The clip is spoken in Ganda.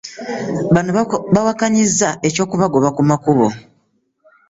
Bano bawakanyizza eky'okubagoba ku makubo.